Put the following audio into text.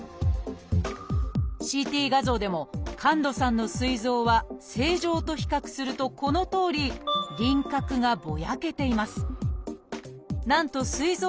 ＣＴ画像でも神門さんのすい臓は正常と比較するとこのとおり輪郭がぼやけています。